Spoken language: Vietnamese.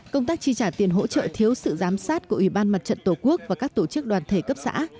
công tác chi trả tiền hỗ trợ thiếu sự giám sát của ủy ban mặt trận tổ quốc và các tổ chức đoàn thể cấp xã